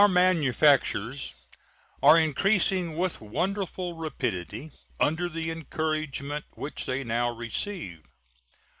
Our manufactures are increasing with wonderful rapidity under the encouragement which they now receive.